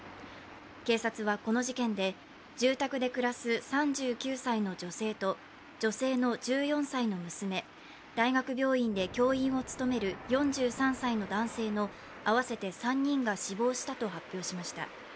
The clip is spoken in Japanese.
警察は、この事件で住宅で暮らす３９歳の女性と女性の１４歳の娘、大学病院で教員を務める４３歳の男性の合わせて３人が死亡したと発表しました。